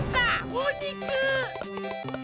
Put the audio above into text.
おにく！